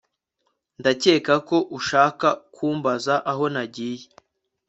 Ndakeka ko ushaka kumbaza aho nagiye